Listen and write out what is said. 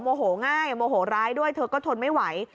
โหง่ายโมโหร้ายด้วยเธอก็ทนไม่ไหว